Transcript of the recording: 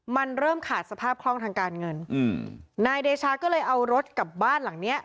มันเริ่มขาดสภาพคล่องทางการเงินอืมนายเดชาก็เลยเอารถกลับบ้านหลังเนี้ย